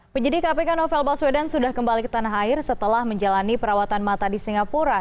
penyidik kpk novel baswedan sudah kembali ke tanah air setelah menjalani perawatan mata di singapura